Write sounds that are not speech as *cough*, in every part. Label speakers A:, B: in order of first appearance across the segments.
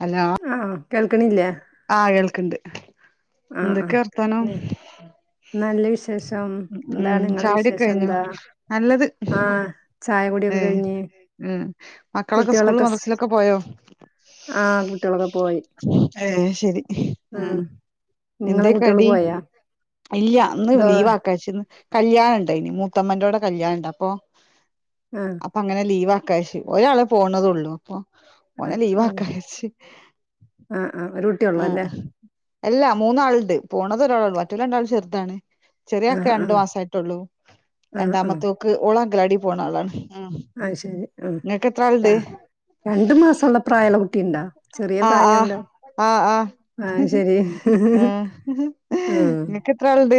A: Hello
B: ആഹ് കേൾക്കണില്ലേ
A: ആ കേൾക്ക്ണ്ട്
B: ആഹ
A: എന്തൊക്കെ വർത്താനം
B: ആഹ നല്ല വിശേഷം എന്താണ്
A: ഉം
B: നിങ്ങളെ
A: ചായുടിയൊക്കെ
B: വിശേഷം
A: കഴിഞ്ഞോ
B: എന്താ
A: നല്ലത്
B: ആഹ് ച ചായ
A: ഏ
B: കുടിക്കേ കഴിഞ്ഞ്
A: ഉം മക്കളൊക്കെ സ്കൂള്
B: കുട്ടികളൊക്കെ സ്
A: മദ്രസലൊക്കെ പോയോ
B: ആഹ് കുട്ടികളൊക്കെ പോയി
A: അത് ശരി ആഹ് എന്തെ
B: നിങ്ങളെ കുട്ടികള്
A: കടി.
B: പോയാ
A: ഇല്ല ഇന്ന്
B: ദോ
A: ലീവാ കഴ്ച്ചന്. കല്യാണുണ്ട് ഇനി മൂത്തമ്മടെ കല്യാണുണ്ട് അപ്പൊ
B: ആഹ്
A: അപ്പൊ അങ്ങനെ ലീവാ. കഴിച്ച് ഒരാള് പോണതയുള്ളൂ അപ്പൊ ഒന്ന്
B: ആഹ്
A: ലീവ്
B: അതെ
A: ആക്കാനു വച്ച്.
B: പറ്റൂള്ളല്ലേ
A: അല്ല മൂന്നാളുണ്ട് പോണത് ഒരാളെള്ളൂ മറ്റേ രണ്ടാളും ചെറുതാണ്. ചെറിയാക്കെ
B: ആഹ്
A: രണ്ടു
B: ആഹ്
A: മാസം ആയിട്ടുള്ളൂ,
B: ആഹ് ആഹ്
A: രണ്ടാമത്തെക്ക് ഓള് അങ്കണവാടി പോണ ആളാണ്. ഉം
B: അത് ശരി
A: ഇങ്ങക്ക് എത്ര ആള്ണ്ട്
B: ആഹ് രണ്ടു മാസമുള്ള പ്രായമുള്ള കുട്ടിണ്ടോ. ചെറിയ
A: ആഹ്
B: പ്രായല്ലോ
A: ആഹ് ആഹ് ഉം നിനക്ക് എത്ര ആളുണ്ട്.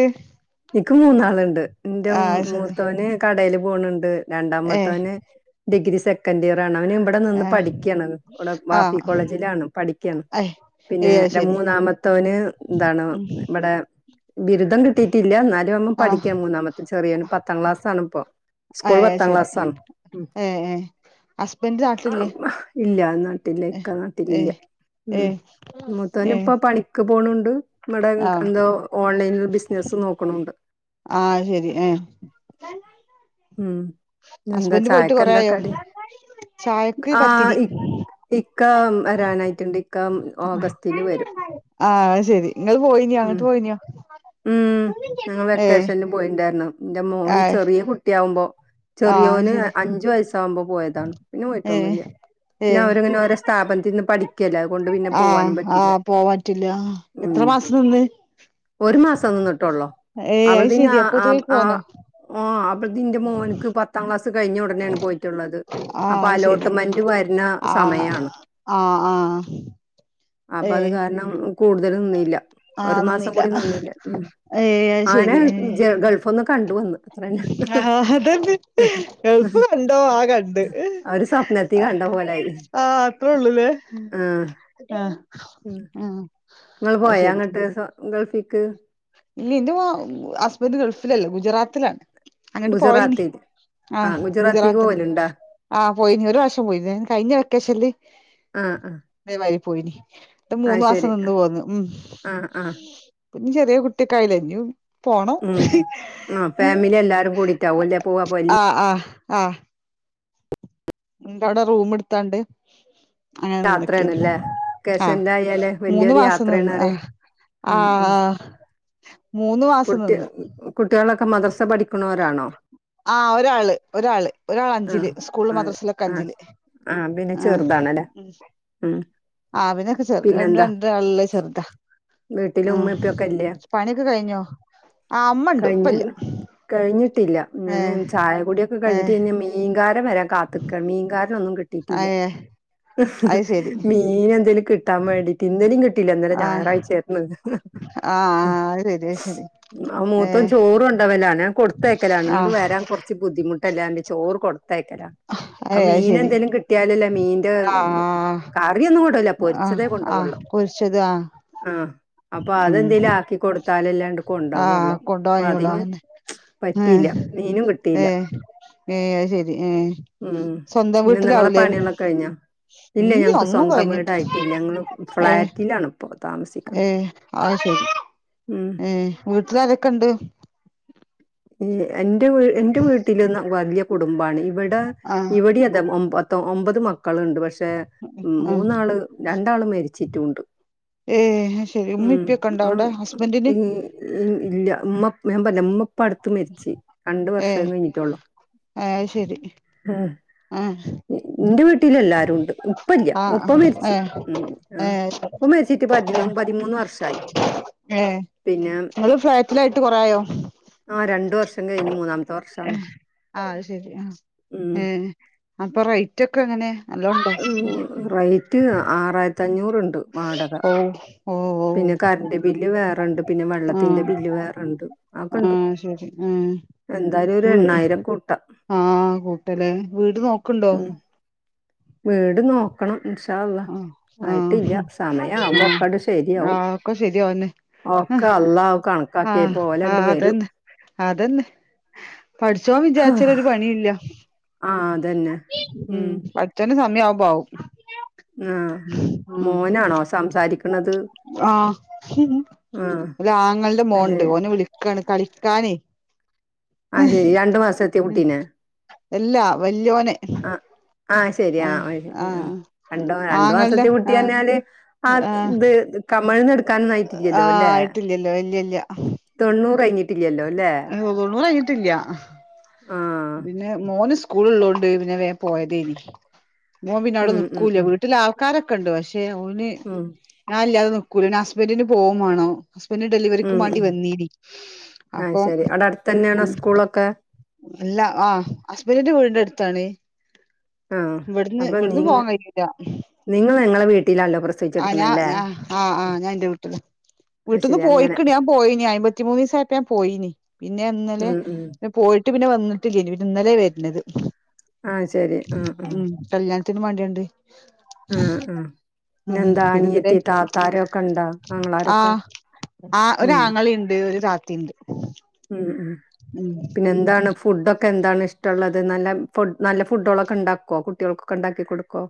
B: എനിക്ക് മൂന്നാളുണ്ട് എന്റെ
A: ആഹ് ശരി
B: മുത്തവന് കടല് പോണുണ്ട് രണ്ടാമ
A: ഏഹ്
B: മത്തെനെ ഡിഗ്രി സെക്കൻ് ഇയർ ആണ്. അവൻ ഇവിടെ നിന്ന്
A: ആഹ്
B: പഠിക്കാണ് ഇവിടെ ബാഫി
A: ആഹ്
B: കോളേജിലാണ് പഠിക്ക ക്കണ
A: ഏഹ്
B: പിന്നെ
A: ഏയ് അത്
B: എന്റെ
A: ശരി
B: മൂന്നാമത്തവന് എന്താണ്
A: ഉം
B: ഇവിടെ. ബിരുദം കിട്ടിയിട്ടില്ല എന്നാലും അവൻ
A: ആഹ്
B: പഠിക്കാണ് മൂന്നാമത്തെ ചെറിയൊന് പത്താം ക്ലാസ്സ് ആണ് ഇപ്പൊ. സ്കൂൾ
A: ഏഹ് അത്
B: പത്താം
A: ശരി
B: ക്ലാസ്സാണ്.
A: ഏഹ് ഏഹ് ഹസ്ബൻഡ് നാട്ടില്ലേ.
B: ഇല്ല നാട്ടില് ഇക്ക നാട്ടില്ല ഉം
A: ഏഹ്
B: മൂത്തവൻ
A: ഏഹ്
B: ഇപ്പം പണിക്ക് പോണണ്ട്. നമ്മടെ
A: ആഹ്
B: എന്താ ഓൺലൈനിൽ ബിസിനസ്സ് നോക്കണണ്ട്.
A: ആഹ് അത് ശരി ഉം.
B: ഉം എന്താ ചായക്കെന്താ
A: ആയോ
B: കടി.
A: ചായക്ക്
B: ആ
A: പത്തിരി
B: ഇ- ഇക്ക വരാനായിട്ടുണ്ട് ഇക്ക ഓഗസ്റ്റില് വരും.
A: ആഹ് ശരി നിങ്ങള് പോയിനോ
B: ഉം
A: അങ്ങട്ട് പോയിനോ.
B: ഉം ഞങ്ങള് വെക്കേഷന്ന് പോയിണ്ടായിരുന്നു. എന്റെ മോന്
A: ആഹ്
B: ചെറിയ കുട്ടിയാവുമ്പോ
A: ആഹ് അത്
B: ചെറിയോന്
A: ശരി
B: അഞ്ചു വയസ്സ്. സ്സുക്കുമ്പോ പോയതാണ്, പിന്നെ
A: ഏഹ്
B: പോയിട്ടൊന്നുല്ല പിന്നെ
A: ഏഹ്
B: അവരിങ്ങനെ ഒരോ സ്ഥാപനത്തിൽന്ന് പഠി ക്കല്ലേ അത് കൊണ്ട് പിന്നെ
A: ആഹ്
B: പോവാനും പറ്റില്ല
A: ആഹ് പോവാൻ പറ്റില്ല ആ. എത്ര
B: ഉം.
A: മാസം നിന്ന്
B: ഒരു മാസം നിന്നിട്ടള്ളോ
A: ഏയ് അത് ശെരി
B: *unintelligible* ആഹ്
A: അപ്പൊത്തിനേക്ക്
B: ആഹ്
A: പോന്നോ
B: ആഹ്. അത് എന്റെ മോനിക്ക് പ പത്ത് കഴിഞ്ഞ ഉടനെയാണ് പോയിട്ടുള്ളത്
A: ആഹ്
B: അപ്പൊ
A: അത്
B: അലോട്ട്മെന്റ് വരുന്ന സമയാണ്.
A: ആഹ ആഹ
B: അപ്പൊ അത് കാരണം കൂ നിന്നില്ല. ഒരു മാസം കൂടി നിന്നില്ല.
A: ഏയ് അത്
B: അങ്ങനെ
A: ശെരി ഏഹ്
B: ഗൾഫ് ഒ കണ്ടു വന്ന് അത്രന്നെ
A: ആഹ് അതന്നെ ഗൾഫ് കണ്ടോ ആ കണ്ട്,
B: അവര് സ്വപ്നത്തി കണ്ട പോലായി.
A: ആ അത്രേ ഉള്ളൂല്ലേ
B: ആഹ്
A: അ ഉം
B: നിങ്ങള് പോയോ അങ്ങട്ട് ഗൾഫിക്ക്
A: ഇല്ല എന്റെ ഹസ്ബന്റ് ഗൾഫിലല്ല, ഗുജറാത്തിലാണ് അങ്ങട്ട് പോവലിനി
B: ഗുജറാത്തിൽ
A: ആഹ് ഗുജറാത്തിൽ. ആഹ പോയിന് ഒരു പ്രാവശ്യം പോയിണ്. കഴിഞ്ഞ വെക്കേഷൻ ൽ
B: ആഹ ആഹ
A: പോയി മൂന്ന് മാസം നിന്ന് പോന്നു ഉം
B: ആഹ് ആഹ്
A: പി ചെറിയ കുട് ഒറ്റക്കായിലെ ഇഞ്ഞു പോണം.
B: ഉം ഉം. ആഹ് ഫാമിലി എല്ലാരും കൂടിട്ടാവുംല്ലേ പോവാ അപ്പൊ വല്യ
A: ആ ആ ആഹ നിട്ട് അവിടെ റൂം എടുത്താണ്ട് അങ്ങനെനിന്നക്കെനി,
B: യാത്രേണ്ല്ലേ?
A: ആഹ
B: വെക്കേഷനിലായാല്
A: മൂന്ന്
B: വല്യൊരു
A: മാസം
B: യാത്രേണ്
A: നിന്ന് ആ
B: പറയാ
A: ആ
B: ഉം ഉം.
A: മൂന്ന് മാസം നിന്ന്
B: ഒക്കെ മദർസ പഠിക്കുണോരാണോ
A: ആ ഒരാള് ഒരാള് ഒരാള് അഞ്ചില്, സ്കൂള് മദ്രാസയിലൊക്കെ അഞ്ചില്
B: ആഹ പിന്നെ ചെറുതാണല്ലേ ഉം
A: ആ പിന്നൊക്കെ ചെറുത് രണ്ട്
B: പിന്നെന്താ?
A: രണ്ട് ആളുള്ള ചെറുതാ
B: വീട്ടില്
A: ആ
B: ഉമ്മേം ഉപ്പേംക്കെ ഇല്ലേ
A: പണിയൊക്കെ കഴിഞ്ഞോ ആ അമ്മണ്ട് ഇപ്പല്ല
B: *unintelligible* ഇങ്ങനെ ചായ കുടി ഒക്കെ കഴിഞ്ഞിട്ട്
A: ഏഹ്
B: *unintelligible* മീങ്കാരൻ വരാൻ കാത്ത്ക്കാണ് മീങ്കാര ന്നും കിട്ടിട്ടില്ല
A: ഏഹ് അത് ശരി
B: മീൻ എന്തലും കിട്ടാൻ വേണ്ടിട്ട്, ഇന്നലിം കി ട്ടില്ല. ഇന്നലെ
A: ആഹ്
B: ഞായറാ്ച ആയിരുന്നു
A: ആഹ് അത് ശരി അത് ശരി
B: ആ മൂത്തോൻ
A: ഏഹ്
B: ചോറൊണ്ടോവലാനേ ഞാൻ കൊടുത്തയക്കല ഇങ്ങോട്ട്
A: ആഹ്
B: വരാൻ കുറച്ച് ബുദ്ധിമുട്ടല്ല പർഞ് ചോറ് കൊടുത്തേക്കല. അ
A: ഏഹ് അത്
B: മീന്
A: ശരി
B: എന്തേലും കിട്ടിയാലല്ലേ മീന്റെ
A: ആഹ്
B: കറിയൊന്നും ല്ല
A: ആഹ്
B: പൊരിച്ചതേ
A: ആഹ്
B: കൊണ്ടൊവോള്ളൂ.
A: പൊരിച്ചത് ആഹ്
B: ആഹ അപ്പൊ
A: ഉം
B: അതെന്തേലും ആക്കി കൊടുത്താലല്ലേ ണ്ട്
A: ആഹ്
B: കൊണ്ടാവള്ളോ, അപ്പൊ
A: കൊണ്ടോയോളു
B: അതിന്
A: ആന്നെ ഏഹ്
B: പറ്റിയില്ല. മീനും കിട്ടിയില്ല
A: ഏഹ് ഏഹ് അത് ശരി ഏഹ്
B: ഉം
A: സ്വന്തം
B: പിന്നെ നിങ്ങളെ
A: വീട്ടിലാവൂലേ
B: പണികളൊക്ക കഴിഞ്ഞോ ഇല്ല
A: ഇല്ല്യ
B: ഞങ്ങക്ക്
A: ഒന്നും
B: സ്വന്തം
A: കഴിഞ്ഞിട്ട്
B: വീടായിട്ടില്ല ഞങ്ങള് ഫ്ളാറ്റിലാണ് പ്പോ
A: ഏ അത് ശരി
B: ഉം
A: ഏ, വീട്ടിലാരൊക്കെണ്ട്
B: എന്റെ എന്റെ വീട്ടിൽ വലിയ കു കുടുംബാണ്. ഇവിടെ
A: ആഹ്
B: ഇവിടെ അതെ ഒ ഒമ്പത് മ മക്കളുണ്ട് പക്ഷെ
A: ആഹ്
B: മൂന്നാള് രണ്ടാള് മരിച്ചിട്ടുണ്ട്
A: ഏഹ് അത് ശരി ഉമ്മി
B: ഉം
A: ഇപ്പിയൊക്കെ ഉണ്ടോ
B: ആ
A: അവിടെ ഹസ്ബന്റിന്
B: ഇ ഇല്ല. ഇമ്മ പ്പ ഞാൻ പറഞ്ഞിലെ ഇമ്മ പ്പടുത്ത മരിച്ച്, രണ്ട് വർഷം
A: ഏഹ്
B: കഴിഞ്ഞിട്ടള്ളൂ.
A: ആഹ
B: വീട്ടിൽ എല്ലാരും ഉണ്ട്. ഉപ്പ ഇല്ല ഉപ്പ മരിച്ച്.
A: ഏഹ് ഏഹ്
B: ഉപ്പ മരിച്ചിട്ട് പതിമൂന്ന് കൊല്ല വർഷായി
A: ഏ
B: പിന്നെ
A: ഇങ്ങൾ ഫ്ലാറ്റ് ൽ ആയിട്ട് കുറായോ
B: ആ രണ്ട വർഷം കഴിഞ്ഞ് മൂന്നാമത്തെ വർഷണ്
A: ആ ശരി ആ ഏ അപ്പൊ റേറ്റ് ഒക്കെ എങ്ങനെയ
B: ഉ റേറ്റ് ആറായിരത്തി അഞ്ഞൂറ്ണ്ട് വാടക
A: ഓഹ് ഓഹ് ഓഹ്
B: പിന്നെ കറണ്ട് ബില്ല് വേറെണ്ട്, പിന്നെ വെള്ളത്തിന്റെ
A: ആഹ്
B: ബില്ല് വേറെണ്ട്. ആ കണ്ടു
A: ആഹ് ശരി
B: എന്തായാലും ഒരു എണ്ണായിരം കൂട്ട
A: ആഹ കൂട്ടലെ, വീട് നോക്ക്ണ്ടോ
B: ഉം വീട് നോക്കണം ഇൻഷാഅള്ള,
A: ആഹ്
B: ആയിട്ടില്ല
A: ആഹ്
B: സമയ ആവുമ്പോ
A: ആഹ്
B: ഒക്ക ശെ ശരിയാവും
A: ആഹ് ഒക്കെ
B: ഒക്കെ അള്ളാഹു
A: ആ ആ അതെന്നെ അതെന്നെ പടച്ചോൻ വിചാരിച്ചാൽ
B: ആഹ്
A: ഒരു പണിയുമില്ല
B: അതന്നെ
A: ഉം പടച്ചോന് സമയമാവുമ്പോ വൗ
B: ഉം മോനാണോ സംസാരിക്കണത്
A: ആ *unintelligible*
B: ആഹ്
A: അങ്ങളന്റെ
B: അത്
A: മോനൊണ്ട്
B: ശരി
A: ഓനെ വിളിക്കാണ് കളിക്കാനേ
B: അതെ രണ്ട് മാസമെത്തിയ കുട്ടീനെ
A: അല്ലാ വല്യോനെ
B: ആ ശരിയാ
A: ആഹ്
B: ഉം ഉം
A: ആഹ്
B: രണ്ട് രണ്ടു
A: ആങ്ങൾന്റെ
B: മാസത്തെ കുട്ടി
A: ആഹ്
B: പറഞ്ഞാല് ആ
A: ആഹ്
B: ഇത് മഴന്ന് ട്ക്കാനൊന്നായിട്ടില്ല്യല്ലോ
A: ആഹ്
B: ലേ
A: ആയിട്ടില്ലല്ലോ ഇല്ല്യ ഇല്ല്യ
B: തൊണ്ണൂറഞ്ഞിട്ട് *unintelligible*
A: *unintelligible*
B: ആഹ്
A: പിന്നെ മോന് സ്കൂള് ഉള്ളോണ്ട് പിന്നെ വേഗം പോയതേനി ഓൻ പിന്നെ അവിടെ
B: ഉം ഉം
A: നിക്കൂല
B: ഉം
A: വീട്ടില് ആൾക്കാരൊക്കെയുണ്ട് പക്ഷെ ഓന്
B: ഉം
A: ഞാനില്ലാതെ *unintelligible* പോകുവേം വേണം ഹസ്ബൻഡ് ഡെലിവറിക്ക്
B: ഉം
A: മാണ്ടി
B: ഉം
A: വന്നീനി
B: ആഹ്
A: അപ്പം
B: ശരി അവിടെ അടുത്ത് തന്നെയാണോ സ്കൂളൊക്കെ
A: എല്ലാ ആഹ ഹസ്ബൻറിന്റെ വീടിന്റെ അടുത്താണ്
B: ആഹ്
A: ഇവിടുന്ന്
B: അപ്പൊ
A: ഇവിടുന്ന്
B: നിങ്ങ
A: പോവാൻ കഴിയൂല
B: നിങ്ങൾ നിങ്ങളെ വീട്ടിലാണല്ലോ
A: ആ ഞാ
B: പ്രസവിച്ചെടുക്കണല്ലേ
A: ഞാ ആ ആ
B: അത്
A: ഞാൻ എന്റെ വീട്ടില് വീട്ടീന്ന്
B: ശരി അങ്ങനെ
A: പോയിക്കണ് ഞാൻ പോയിന് അയമ്പത്തിമൂന്ന് ദിവസായപ്പ ഞാൻ പോയിനി പിന്നെ ഇന്നലെ
B: ഉം ഉം
A: പോയി ഇന്ന്ട്ട് പിന്നെ വന്നിട്ടില്യേനു പിന്നെ ഇന്നലെ വര്ന്നത്
B: ആ ശരി ഉം ഉം
A: ത്തിന് വണ്ടിയുണ്ട്
B: ഉം ഉം പിന്നെന്താ
A: പിന്നെ ഇതിലെ
B: അനിയത്തി താത്താരൊക്കെ ഇണ്ടോ അങ്ങളാരൊക്കെ
A: ആഹ് ആ ഒരാങ്ങളയുണ്ട് ഒരു താത്തയുണ്ട്
B: ഉം ഉം പിന്നെ എന്താണ് ഫുഡൊക്കെ എന്താണ് ഇഷ്ടമുള്ളത് നല്ല നല്ല ഫുഡുകളൊക്കെ ഉണ്ടാക്കോ കുട്ടികൾക്കൊക്കെ ഉണ്ടാക്കി കൊടുക്കുവോ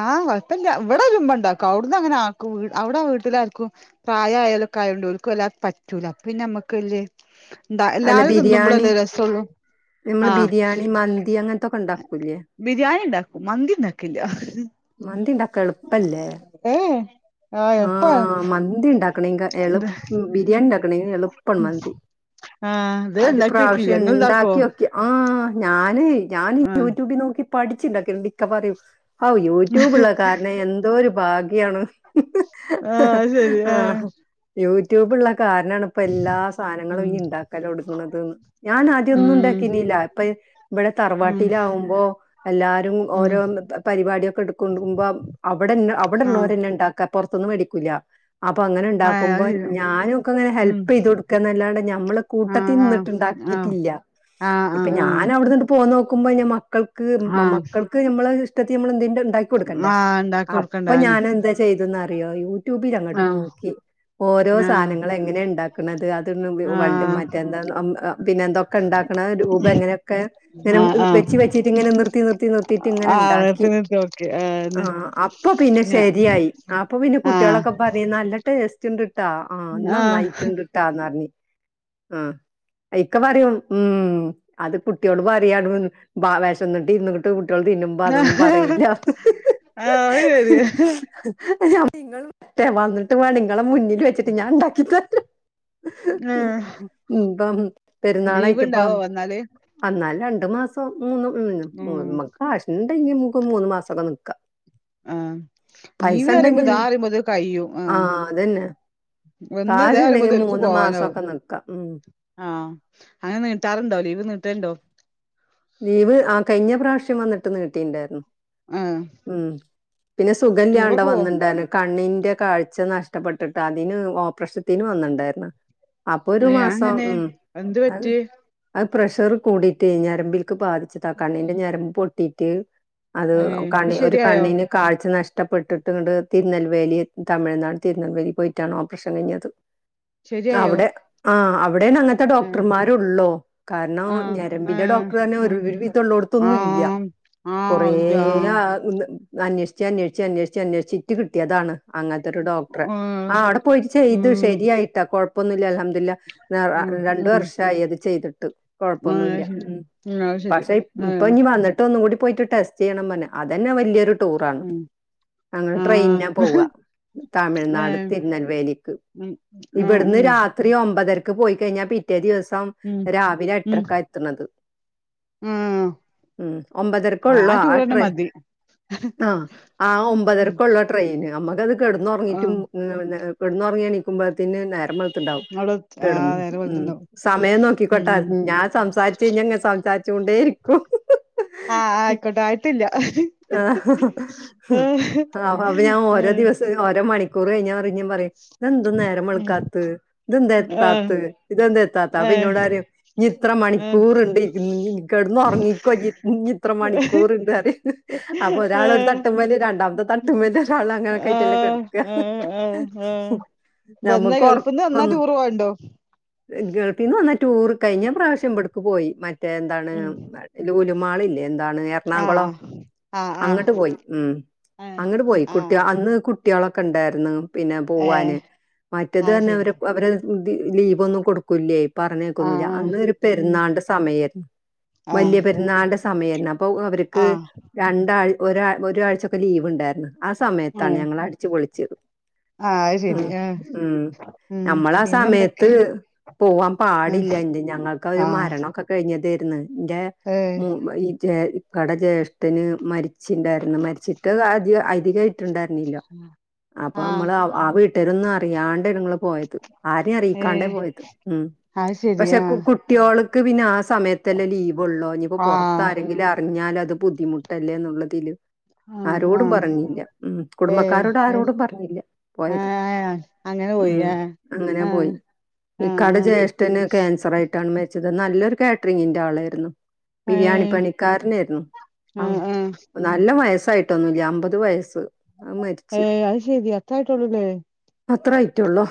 A: ആ കൊഴപ്പില്ല ഇവിടെ *unintelligible* ഇതൊക്കെ ആയത്കൊണ്ടു *unintelligible* പറ്റൂല അപ്പൊ പിന്നെ നമ്മക്ക്‌ വല്ല്യേ എന്താ
B: അല്ല
A: എല്ലാരും
B: ബിരിയാണി
A: തിന്നുമ്പോളല്ലേ ഒരു രസമുള്ളൂ ആ
B: നമ്മള് ബിരിയാണി മന്തി അങ്ങനത്തൊക്കെ ഉണ്ടാക്കൂലേ
A: ബിരിയാണി ഉണ്ടാക്കും മന്തി ഉണ്ടാക്കില്ല
B: മാന്തിണ്ടാക്കാ എളുപ്പല്ലേ
A: ഏഹ്
B: ആഹ് മന്തി ഇണ്ടാക്കണെയ്ങ്കാ എളു
A: ഇത്
B: ബിരിയാണി ഇണ്ടാക്കണെ എളുപ്പാണ് മന്തി
A: ആഹ് ഇത്
B: അത്
A: ഇണ്ടാക്കിയോക്കില്ല
B: പ്രാവശ്യം
A: ഇങ്ങള് ഇണ്ടാക്കോ
B: ഉണ്ടാക്കി നോക്കി ആ ഞാന് ഞാൻ
A: ആഹ്
B: യൂട്യൂബിൽ നോക്കി പഠിച്ചുണ്ടാക്കി *unintelligible* പറയൂ ഹൗ യൂട്യൂബുള്ള കാരണം എന്തോരു ഭാഗ്യാണ്
A: ആഹ് അത് ശരി
B: ആഹ് യൂ കാരണം ആണ് ഇപ്പോ എല്ലാ സാധനങ്ങളും
A: ഉം
B: ഇനി ഇണ്ടാക്കല് തൊടങ്ങണത് ഞാൻ ആദ്യം ഒന്നും
A: ഉം
B: ഉണ്ടാക്കിനല്ല ഇപ്പൊ ഇവിടെ
A: ഉം
B: തറവാട്ടിലാകുമ്പോ എല്ലാരും
A: ഉം
B: ഓരോന്ന് പരിപാടിയൊക്കെ എടുക്കൊണ്ടുമ്പോ അവിടെന്നെ
A: ആഹ്
B: അവിടുള്ളോര് എന്താ ഉണ്ടാക്കുക പൊറത്തൂന്ന് മേടിക്കൂല്ല അത് അങ്ങനെ
A: ആഹ്
B: ഉണ്ടാക്കുമ്പോ
A: അത് ശരി
B: ഞനൊക്കെ
A: ഉം
B: ഹെൽപ് ചെയ്തു കൊടുക്കുകന്നല്ലാണ്ട് ഞമ്മള്
A: ആഹ്
B: കൂട്ടത്തിൽ
A: ആഹ്
B: നിന്നിട്ടുണ്ടാ
A: ആഹ്
B: വീട്ടിലില്ല
A: ആഹ്
B: ഇപ്പൊ
A: ആഹ് ആഹ്
B: ഞാൻ അവിടുനിങ്ങട്ട് പോന്ന് ക്കുമ്പോ മക്കൾക്ക്
A: ആഹ്
B: മക്കൾക്ക് നമ്മള് ഇഷ്ടത്തിൽ നമ്മൾ *unintelligible* ഉണ്ടാക്കി കൊടുക്കണ്ടേ
A: ആഹ് ഇണ്ടാക്കി കൊടുക്കണ്ട
B: അപ്പൊ
A: അതെന്നെ
B: ഞാൻ എന്താ ചെയ്തന്ന് അറിയോ യൂട്യൂബിൽ അങ്ങോട്ട്
A: ആഹ്
B: നോക്കി ഓരോ
A: ആഹ്
B: സാനങ്ങൾ എങ്ങനെയാ ഉണ്ടാക്കണത് അത് *unintelligible* മറ്റെന്താ പിന്നെ എന്തൊക്കെ ഉണ്ടാക്കണം രൂപം എങ്ങനൊക്കെ ഇങ്ങനെ
A: ആഹ് ആഹ് ആഹ്
B: വെച്ച് വെച്ചിട്ട് ഇങ്ങനെ നിർത്തി നിർത്തി നിർത്തിയിട്ട് ഇങ്ങനെ
A: ആഹ്
B: ഉണ്ടാക്കി
A: നിർത്തി നിർത്തി ഓക്കെ.
B: ആഹ് അപ്പൊ പിന്നെ ശരിയായി. അപ്പൊ പിന്നെ
A: ആഹ്
B: കുട്ടികളൊക്കെ പറയുന്ന നല്ല ടേസ്റ്റ് ഇണ്ടാട്ടോ ആഹ് നന്നായിട്ടുണ്ട് കേട്ടോ പറയും. ആഹ് ഇക്ക പറയും ഉം അത് കുട്ടിയോട് പറയാണ് വ വിശന്നിട്ട് ഇരുന്നങ്ങട്ട്. കുട്ടിയോള് തിന്നുമ്പോ അതൊന്നും പറയില്ല.
A: ആഹ് അത് ശരി
B: ഞാൻ പറഞ്ഞ് ഇങ്ങള് വരട്ടേ വന്നിട്ട് വേണം നിങ്ങളെ മുന്നിൽ വെച്ചിട്ട് ഞാൻ ഉണ്ടാക്കി തരാം.
A: ആഹ്
B: ഇപ്പം
A: ലീവ്
B: പെരുന്നാളായിട്ടിപ്പം
A: ഇണ്ടാവോ വന്നാല്
B: വന്നാല്. രണ്ട് മാസം മൂന്ന് ഉം പോരുമ്പോൾ കാശ് ഉണ്ടെങ്കിൽ നമുക്ക് മൂന്നു മാസമൊക്കെ നിക്കാം.
A: ആഹ് ലീവ്
B: പൈസ
A: പറയുമ്പോ ദാ
B: ഉണ്ടെങ്കില്
A: പറയുമ്പോ അത് കഴിയും ആഹ്. വന്ന്
B: കാശുണ്ടെങ്കിൽ
A: ഇതാരുമ്പഴത്തേക്ക്
B: മൂന്ന്
A: പോവാനാവും.
B: മാസമൊക്കെ നിക്കാം ഉം
A: ആഹ് അങ്ങനെ നീട്ടാറുണ്ടോ ലീവ് നീട്ടലുണ്ടോ?
B: ലീവ് ആഹ് കഴിഞ്ഞ പ്രാവശ്യം വന്നിട്ട് നീട്ടി ഇണ്ടായിരുന്നു.
A: ആഹ്
B: പിന്നെ സുഖല്യാണ്ട
A: ടൂറൊക്കെ പോവോ
B: വന്നെണ്ടാനെ കണ്ണിന്. ന്റെ കാഴ്ച നഷ്ടപ്പെട്ടിട്ട് അതിന് ഓപ്പറേഷത്തിന് വന്നെണ്ടായിരുന്നു. അപ്പൊ ഒരു
A: ഏഹ്
B: മാസം
A: അതെങ്ങനെ
B: ഉം
A: എന്ത് പറ്റി
B: അത്. പ്രഷർ കൂടിയിട്ട് ഞരമ്പിലേക്ക് ബാധിച്ചേട്ടാ കണ്ണിന്റെ ഞരമ്പ് പൊട്ടിയിട്ട്. അത്
A: ഏഹ് ഇപ്പൊ
B: കണ്ണി ഒരു
A: ശരിയായോ
B: കണ്ണിന് കാഴ്ച നഷ് ടപ്പെട്ടിട്ട് ഇങ്ങട് തിരുനെൽവേലി തമിഴ്നാട് തിരുനെൽവേലിയിൽ പോയിട്ടാണ് ഓപ്പറേഷൻ കഴിഞ്ഞത്.
A: ശരിയായോ
B: അവിടെ ആ അവിടെ അങ്ങനത്തെ
A: ആഹ്
B: ഡോക്ടർമാരുള്ളൂ. കാരണം
A: ആഹ്
B: ഞരമ്പിന്റെ ഡോ
A: ആഹ്
B: ക്ടറിന് ഒരു
A: ഉം
B: വിധം
A: ആ
B: ഒള്ളോടത്തൊന്നും ഇല്ല.
A: ആ
B: കുറേ
A: ഇതാ
B: ആ അന്വേഷിച്ച് അന്വേഷിച്ച് അന്വേഷിച്ച് അന്വേഷിച്ച് ഇട്ട് കിട്ടിയതാണ്. അങ്ങനത്തൊരു ഡോക്ടറെ. ആ അവിടെ പോയിട്ട് ചെയ്തു
A: ഉം
B: ശരിയായിട്ടാ. കൊഴപ്പൊന്നൂല്ല അൽ ഹം ദു ലില്ലാ.
A: ഉം ഉം
B: രണ്ടുവർഷായി അത് ചെയ്തിട്ട്
A: ആ
B: കൊഴപ്പൊന്നൂല്ല.
A: ശരി
B: ഉം
A: അത് ശരി
B: പക്ഷെ ഇപ്
A: ആ
B: ഇപ്പൊ ഇനി വന്നിട്ട് ഒന്നും കൂടി പോയിട്ട് ടെസ്റ്റ് ചെയ്യണന്ന്പറഞ്ഞ് അതന്നെ വലിയൊരു ടൂറാണ്.
A: ഉം
B: ഞങ്ങൾ
A: ആ
B: ട്രെയിനിനാ പോവാ.
A: ഏ
B: തമിഴ്നാട് തിരുനെൽവേലിക്ക്.
A: ഉം ആ
B: ഇവിടുന്ന്
A: ഉം
B: രാത്രി ഒമ്പതര ക്ക് പോയി കഴിഞ്ഞാ പിറ്റേ ദിവസം
A: ഉം
B: രാവിലെ എട്ടരക്കാ എത്തണത്.
A: ഉം
B: ഉം ഒമ്പതരക്കുള്ളൂ. ആ
A: ടൂറന്നെ
B: ട്രെ
A: മതി
B: ആ ആ
A: ഉം
B: ഒമ്പതരക്കുള്ളൂ ട്രെയിന്. നമ്മക്കത്
A: ആ
B: കിടന്നുറങ്ങിയിട്ടും പിന്നെ കിടന്നുറങ്ങി എണീക്കുമ്പത്തേന് നേരം വെളു ത്തിണ്ടാവും.
A: അവിടെ ആ
B: കെടന്ന്
A: നേരെ
B: ഉം
A: വെളുത്തുണ്ടാവും
B: സമയം നോക്കിക്കോട്ടാ
A: ഉം
B: ഞാൻ സംസാരിച്ച് കഴിഞ്ഞാ സം സാരിച്ചു കൊണ്ടേയിരിക്കും.
A: ആ ആയിക്കോട്ടെ ആയിട്ടില്ല.
B: ആഹ് അപ്പൊ ഞാൻ ഓരോ ദിവസം ഓരോമണി ക്കൂറ് കഴിഞ്ഞാ പറയും ഇഞ്ഞീം പറയും ഇതെന്താ നേരം വെളുക്കാത്ത് ഇതെന്താ
A: ആ
B: എത്താത്ത് ഇതെന്താ എത്താതെ
A: ആ
B: അപ്പെ എന്നോട്
A: ആ
B: പറയും. ഇനി ഇത്ര
A: ആ
B: മണിക്കൂറിണ്ടി കെടന്നൊറങ്ങിക്കോ ഇ ഇനി ഇത്രമണിക്കൂറിണ്ട് പറയും. അപ്പൊ ഒരാളൊരു തട്ടിൽ മേല് രണ്ടാമത്തെ തട്ടുമ്മേല് ഒരാള് അങ്ങനൊക്കെ
A: ആ
B: ആയിട്ടല്ലേ കെടക്ക.
A: ആ ആ ആ വന്ന
B: നമുക്ക്
A: ഗൾഫ്ന്ന് വന്നാ ടൂറ് പോവണ്ടോ?
B: ഗൾഫിന്ന് വന്ന ടൂർ കഴിഞ്ഞ പ്രാവശ്യം ഇവിടക്ക് പോയി. റ്റേ എന്താണ്
A: ഉം
B: ലുലുമാള് ഇല്ലേ എന്താണ് എറണാകുളം
A: ആഹ് ആഹ് ആഹ്
B: അങ്ങട്ട് പോയി ഉം
A: ആഹ്
B: അങ്ങട് പോയി കുട്ടി
A: ആഹ്
B: അന്ന് കു ട്ടികളൊക്കെ ഉണ്ടായിരുന്നു പിന്നെ
A: ഏഹ്
B: പോവാന്. മറ്റത്
A: അത്
B: പറഞ്ഞ
A: ശരി
B: അവര് അവര് ലീവ് ഒന്നും കൊടുക്കൂല്ലേ പറഞ്ഞ കേക്കൊന്നൂല്ല
A: ആഹ് ആഹ്
B: അന്ന് ഒരു
A: ഉം
B: പെരുന്നാളിൻ്റെ സമയായിരുന്നു.
A: ആഹ്
B: വലിയ പെരുന്നാളുടെ സമയം ആയിരുന്നു. അപ്പൊ അവരക്ക്
A: ആഹ്
B: രണ്ടാൾ ഒരാ ഒരാഴ്ച്ചൊക്കെ ലീവ് ഉണ്ടായിരുന്ന് ആ സമയത്താണ്
A: ഉം
B: ഞങ്ങൾ അടിച്ചു പൊളിച്ചത്.
A: ആഹ് അത്
B: ഉം
A: ശരി ആഹ്
B: ഉം
A: ഉം
B: നമ്മളാ ആ
A: പിന്നെന്തൊക്കെ
B: സമയത്ത് പോവാൻ
A: ആഹ്
B: പാടില്ല ഇന്റെ ഞങ്ങൾക്ക് ഒരു
A: ആഹ്
B: മരണൊക്കെ കഴിഞ യിരുന്ന് ഇന്റെ
A: ഏഹ്
B: മു ഇ ജെ ഇക്കാടെ ജേഷ് ട്ടന് മരിച്ചിണ്ടായിരുന്നു മരിച്ചിട്ട് അധിക അധികാ യിട്ടുണ്ടായിരുന്നില്ല. അപ്പൊ
A: ആഹ്
B: അമ്മള് ആ വിട്ടാരൊന്ന് അറിയാണ്ടനു നങ്ങൾ പോയത് ആരെയും അറിയിക്കാണ്ടേ
A: ഏഹ്
B: പോയത് ഉം
A: അത് ശരി
B: പക്ഷെ കു
A: ആഹ്
B: കുട്ടീൾ ക്ക് പിന്നെ ആ സമയത്തല്ല ലീവ് ഉള്ളോ ഇനിപ്പോ പുറത്ത
A: ആഹ്
B: ആരെങ്കിലും അറിഞ്ഞാലത് അത് ബുദ്ധിമുട്ടല്ലേ ന്നുള്ളതില്
A: ആഹ്
B: ആരോടും
A: ആഹ്
B: പറഞ്ഞില്ല ഉം
A: ഏഹ്
B: കുടുംബക്കാരോട്
A: ഏഹ്
B: ആരോടും പറഞ്ഞില്ല. പോയത്
A: ആഹ് അങ്ങനെ പോയി
B: ഉം
A: ആഹ്
B: അങ്ങനെ
A: ആഹ്
B: പോയി.
A: ആഹ്
B: ഇക്കാടെ
A: ആഹ്
B: ജ്യേഷ്ഠന് ക്യാൻസർ ആയിട്ടാണ് മരിച്ചത് നല്ലൊരു കാറ്ററിങ്ങിൻന്റെ ആളായിരുന്നു. ബിരിയാണി
A: ഏഹ്
B: പണിക്കാരനായിരുന്നു ആ
A: ആഹ് ആഹ്
B: നല്ല വയസ് സായിട്ടൊന്നുല്ല അമ്പത് വയസ്.
A: ഏ അത് ശരി അത്തറായിട്ടള്ളൂലേ.
B: അത്രആയിറ്റള്ളൂ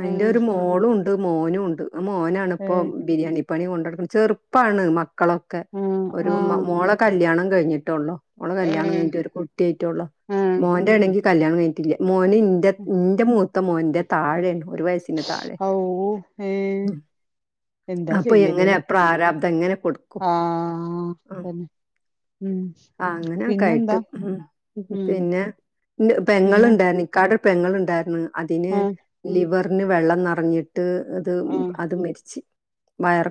B: അയിന്റെ ഒരു മോളും ഉണ്ട് മോനും ഉണ്ട് ആ മോനാണ് ഇപ്പോ
A: ഏഹ്
B: ബിരിയാണി പ്പണി കൊണ്ടടക്ക്ണ് ചെറുപ്പാണ് മക്കളൊക്കെ
A: ആഹ്
B: ഒരു
A: ആഹ്
B: മോളെ കല്യാണം കഴിഞ്ഞിട്ടുള്ളു. മോളെ കല്യാണം
A: ഏഹ്
B: കഴിഞ്ഞിട്ട് ഒരു കുട്ടിയായിട്ടുള്ളു
A: ആഹ്
B: മോന്റെ ആണെങ്കി കല്യാണം കഴിഞ്ഞിട്ടില്ല. മോന് ഇന്റെ ഇന്റെ മൂത്ത മോൻന്റെ താഴെഉള്ളു ഒരു വയസിന് താഴെ
A: ഔ ഏ എന്താ
B: അപ്പൊ
A: ചെയ്യല്
B: എങ്ങനെ പ്രാര
A: ആ തന്നെ. ഉം
B: ആ അങ്ങനെക്കായിട്ട്
A: പിന്നെന്താ ഉം
B: പിന്നെ.
A: പിന്നെ
B: പെങ്ങൾണ്ടായിരുന്നു ഇക്കാടെ ഒരു പെങ്ങൾണ്ടായിരുന്നു അതിന്
A: ആ
B: ലിവറിന് വെള്ളം നെറഞ്ഞ് അത് അത്
A: ആ
B: അത് മരിച്ച് വയറ